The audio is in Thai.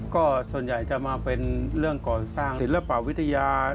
ก็ส่วนใหญ่จะมาเป็นเรื่องก่อสร้างศิลปวิทยา